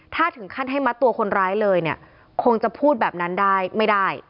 ถ้าถึงขั้นให้มัดตัวคนร้ายเลยเนี่ยคงจะพูดแบบนั้นได้ไม่ได้